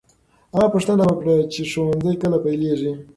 هغه پوښتنه وکړه چې ښوونځی کله پیلېږي.